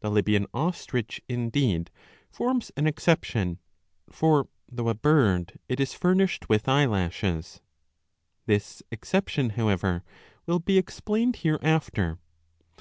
The Libyan ostrich, indeed, forms an excep tion ; for, though a bird, it is furnished with eyelashes.^ This exception, however, will be explained hereafter.